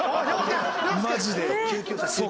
マジで。